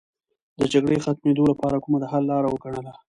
د جګړې ختمېدو لپاره کومه د حل لاره وګڼله.